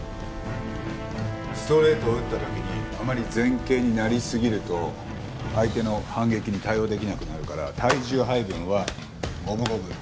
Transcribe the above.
ストレートを打った時にあまり前傾になりすぎると相手の反撃に対応できなくなるから体重配分は五分五分。